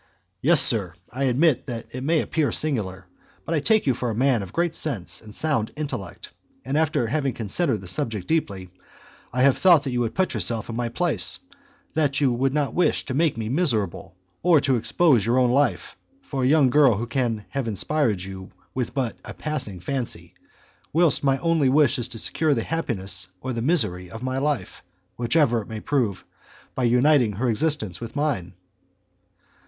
"Yes, sir, I admit that it may appear singular; but I take you for a man of great sense and sound intellect, and after considering the subject deeply I have thought that you would put yourself in my place; that you would not wish to make me miserable, or to expose your own life for a young girl who can have inspired you with but a passing fancy, whilst my only wish is to secure the happiness or the misery of my life, whichever it may prove, by uniting her existence with mine."